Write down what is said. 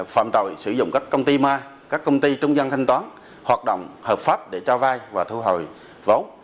phạm tội sử dụng các công ty ma các công ty trung dân thanh toán hoạt động hợp pháp để trao vai và thu hồi vốn